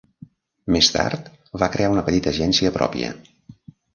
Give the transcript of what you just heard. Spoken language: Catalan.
Més tard, va crear una petita agència pròpia.